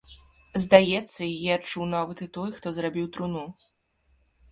Здаецца, яе адчуў нават і той, што зрабіў труну.